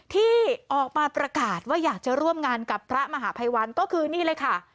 ที่ออกมาประกาศว่าอยากจะร่วมงานกับพระมหาภัยวันก็คือนี่เลยค่ะ